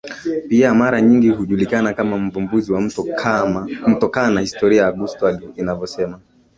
pia mara nyingi hujulikana kama mvumbuzi wa mto Kama historia ya Augusta inavyosema